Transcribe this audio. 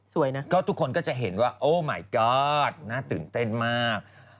สวยนะก็ทุกคนก็จะเห็นว่าโอ้มายก๊อดหน้าตื่นเต้นมาก